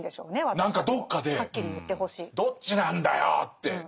何かどっかでどっちなんだよって。